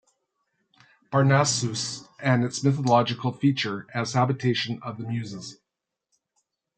Parnassus and its mythological feature as habitation of the Muses.